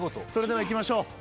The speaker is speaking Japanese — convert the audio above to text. それではいきましょう。